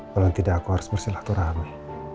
paling tidak aku harus bersilaturahmi